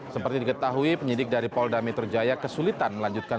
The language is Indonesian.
seperti diketahui penyidik dari polda metro jaya kesulitan melanjutkan